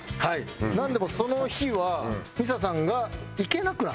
なんでもその日は美彩さんが行けなくなった？